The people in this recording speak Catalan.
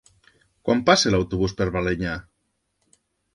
Quan passa l'autobús per Balenyà?